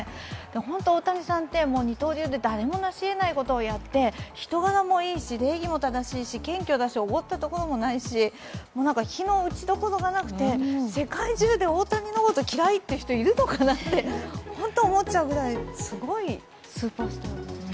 本当、大谷さんって二刀流で誰もなし得ないことをやって人柄もいいし、礼儀も正しいし、謙虚だし、おごったところもないし、非の打ちどころがなくて世界中で大谷のこと嫌いって人、いるのかなって本当に思っちゃうくらいすごいスーパースターですよね。